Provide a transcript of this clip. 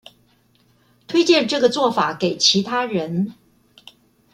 推薦這個做法給其他人